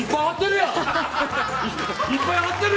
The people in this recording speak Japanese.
いっぱい貼ってる！